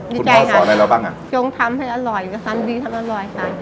จ้ะดีใจพี่ออกได้แล้วบ้างอะจงตั้งให้อร่อยดีทำอร่อยช่ะ